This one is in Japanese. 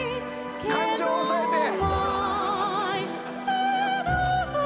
感情抑えて！